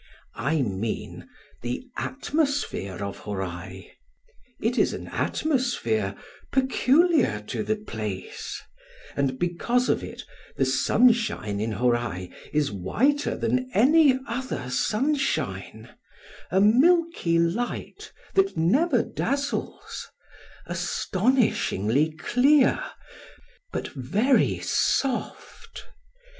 I mean the atmosphere of Hōrai. It is an atmosphere peculiar to the place; and, because of it, the sunshine in Hōrai is whiter than any other sunshine,—a milky light that never dazzles,—astonishingly clear, but very soft.